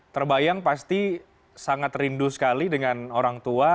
terbayang pasti sangat rindu sekali dengan orang tua